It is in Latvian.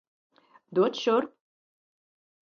Dod šurp!